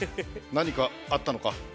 何かあったのか？